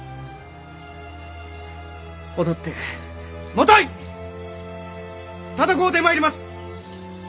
踊ってもとい戦うてまいります！